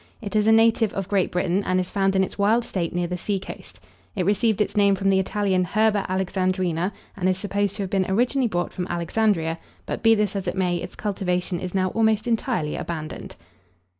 It is a native of Great Britain, and is found in its wild state near the seacoast. It received its name from the Italian "herba Alexandrina," and is supposed to have been originally brought from Alexandria; but, be this as it may, its cultivation is now almost entirely abandoned.